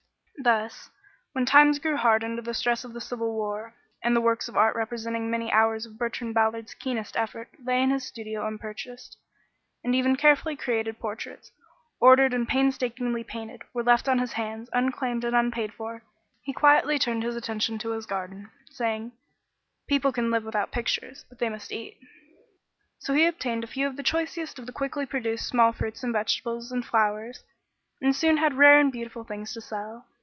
Thus, when times grew hard under the stress of the Civil War, and the works of art representing many hours of Bertrand Ballard's keenest effort lay in his studio unpurchased, and even carefully created portraits, ordered and painstakingly painted, were left on his hands, unclaimed and unpaid for, he quietly turned his attention to his garden, saying, "People can live without pictures, but they must eat." So he obtained a few of the choicest of the quickly produced small fruits and vegetables and flowers, and soon had rare and beautiful things to sell.